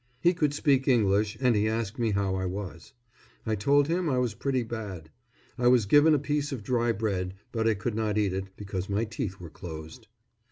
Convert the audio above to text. He could speak English, and he asked me how I was. I told him I was pretty bad. I was given a piece of dry bread, but I could not eat it, because my teeth were closed.